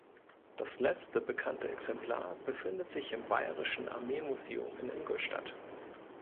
Das letzte bekannte Exemplar befindet sich im bayerischen Armeemuseum in Ingolstadt.